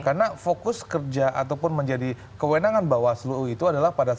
karena fokus kerja ataupun menjadi kewenangan bawaslu itu adalah pada seluruh